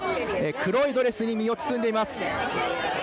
黒いドレスに身を包んでいます。